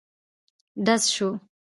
ډز شو.